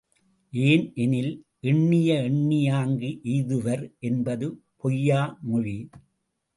ஏன்? எனில், எண்ணிய எண்ணியாங்கு எய்துவர் என்பது பொய்யா மொழி.